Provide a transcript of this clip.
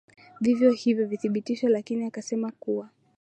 vivyo hivyo vidhibitisho lakini akasema kuwa